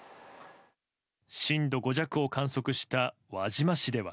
震度５弱を観測した輪島市では